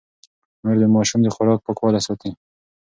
مور د ماشوم د خوراک پاکوالی ساتي.